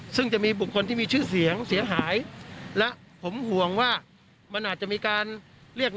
ซึ่งจะมีบุคคลที่มีชื่อเสียงเสียหาย